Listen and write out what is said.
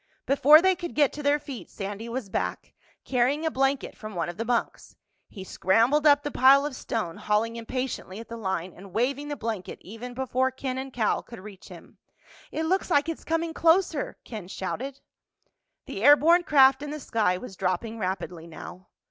Before they could get to their feet Sandy was back, carrying a blanket from one of the bunks. He scrambled up the pile of stone, hauling impatiently at the line and waving the blanket even before Ken and Cal could reach him. "It looks like it's coming closer!" Ken shouted. The air borne craft in the sky was dropping rapidly now.